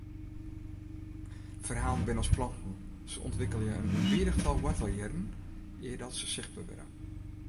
Ferhalen binne as planten, se ûntwikkelje in ûnbidich tal woartelhierren eardat se sichtber wurde.